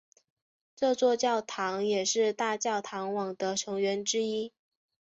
这座教堂也是大教堂网的成员之一。